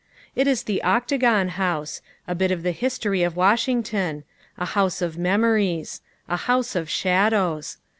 It is the Octagon House, a bit of the history of Wash ington a house of memories ; a house of shadows.